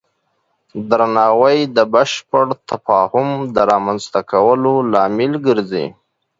درناوی د بشپړ تفاهم د رامنځته کولو لامل ګرځي.